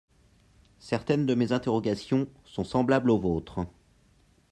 Certaines de mes interrogations sont semblables aux vôtres.